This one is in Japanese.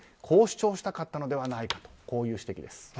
こう主張したかったのではないかという指摘です。